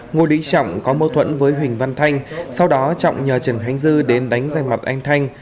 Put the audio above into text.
ngô lý trọng có mâu thuẫn với huỳnh văn thanh sau đó trọng nhờ trần khánh dư đến đánh danh mặt anh thanh